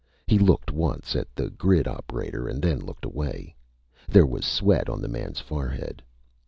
He looked once at the grid operator and then looked away. There was sweat on the man's forehead.